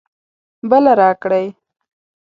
بله راکړئ